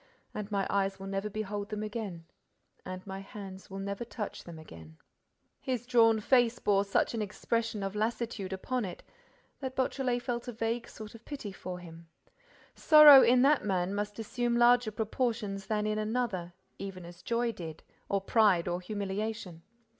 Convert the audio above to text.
And my eyes will never behold them again and my hands will never touch them again—" His drawn face bore such an expression of lassitude upon it that Beautrelet felt a vague sort of pity for him. Sorrow in that man must assume larger proportions than in another, even as joy did, or pride, or humiliation.